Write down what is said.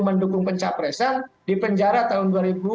mendukung pencapresan di penjara tahun dua ribu empat